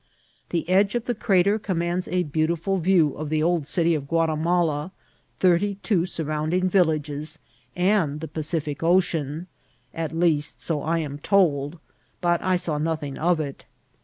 The edge of the crater commands a beau tiful view of the old city of Ouatimala, thirty two sur rounding villages, and the Pacific Ocean ; at least so I am told, but I saw nothing of it.